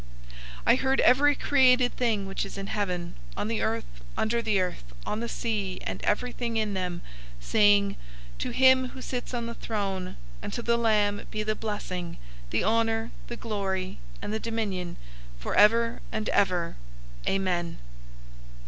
005:013 I heard every created thing which is in heaven, on the earth, under the earth, on the sea, and everything in them, saying, "To him who sits on the throne, and to the Lamb be the blessing, the honor, the glory, and the dominion, forever and ever! Amen!{TR omits "Amen!"